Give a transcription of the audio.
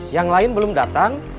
yang lain belum datang